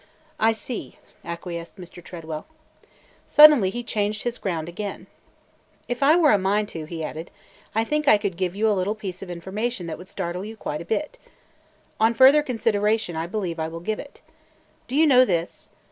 "I see," acquiesced Mr. Tredwell. Suddenly he changed his ground again. "If I were a mind to," he added, "I think I could give you a little piece of information that would startle you quite a bit. On further consideration, I believe I will give it. Do you know this?